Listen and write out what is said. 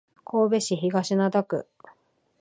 神戸市東灘区